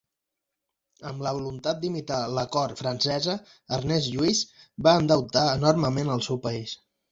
Amb la voluntat d'imitar la Cort francesa, Ernest Lluís va endeutar enormement el seu país.